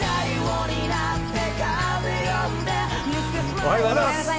おはようございます。